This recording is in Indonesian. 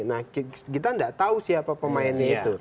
nah kita tidak tahu siapa pemainnya itu